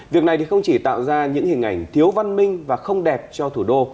việc này không chỉ tạo ra những hình ảnh thiếu văn minh và không đẹp cho thủ đô